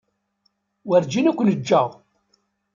Werǧin ad ken-ǧǧeɣ.